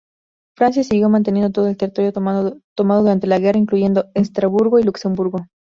Francia siguió manteniendo todo el territorio tomado durante la guerra, incluyendo Estrasburgo y Luxemburgo.